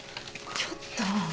ちょっと！